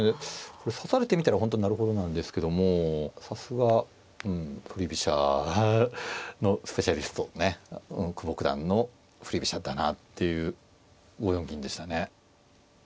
指されてみたら本当なるほどなんですけどもさすが振り飛車のスペシャリストのね久保九段の振り飛車だなっていう５四銀でしたね。